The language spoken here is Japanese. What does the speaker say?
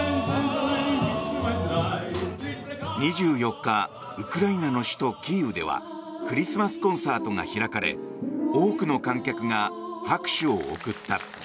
２４日ウクライナの首都キーウではクリスマスコンサートが開かれ多くの観客が拍手を送った。